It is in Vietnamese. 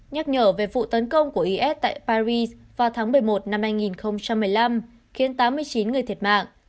nhắc nhở về vụ tấn công của is tại paris vào tháng một mươi một năm hai nghìn một mươi năm khiến tám mươi chín người thiệt mạng